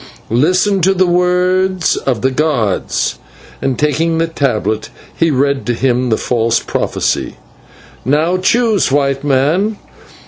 Listen to the words of the gods" and, taking the tablet, he read to him the false prophecy. "Now choose, White Man.